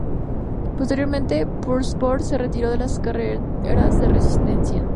Posteriormente Peugeot Sport se retiró de las carreras de resistencia.